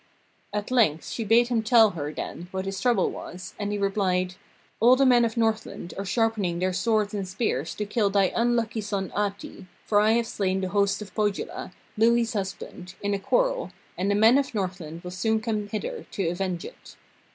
At length she bade him tell her, then, what his trouble was, and he replied: 'All the men of Northland are sharpening their swords and spears to kill thy unlucky son Ahti, for I have slain the host of Pohjola, Louhi's husband, in a quarrel, and the men of Northland will soon come hither to avenge it.'